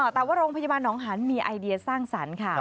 แต่ว่าโรงพยาบาลหนองหันมีไอเดียสร้างสรรค์ค่ะ